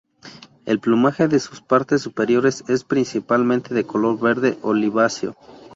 El plumaje de sus partes superiores es principalmente de color verde oliváceo.